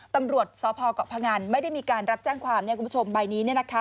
ตำรวจสพเกาะพงันไม่ได้มีการรับแจ้งความเนี่ยคุณผู้ชมใบนี้เนี่ยนะคะ